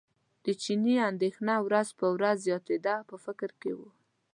د چیني اندېښنه ورځ په ورځ زیاتېده په فکر کې و.